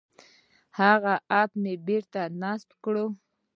هغه اپ مې بېرته نصب کړ.